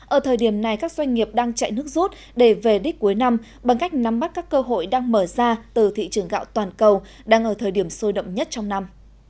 ở thời điểm này các doanh nghiệp đang chạy nước rút để về đích cuối năm bằng cách nắm bắt các cơ hội đang mở ra từ thị trường gạo toàn cầu đang ở thời điểm sôi động nhất trong năm